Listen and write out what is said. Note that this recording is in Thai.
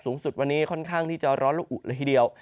สูงสุดวันนี้ค่อนข้างที่จะร้อนและอุเลยทีเดียว